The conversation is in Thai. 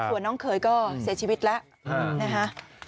ส่วนน้องเขยก็เสียชีวิตแล้วนะคะ